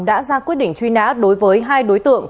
đã ra quyết định truy nã đối với hai đối tượng